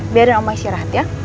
biarin omnya istirahat ya